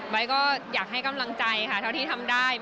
ก็อยากให้กำลังใจค่ะเท่าที่ทำได้